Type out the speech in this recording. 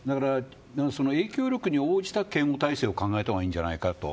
影響力に応じた警護態勢を考えた方がいいんじゃないかと。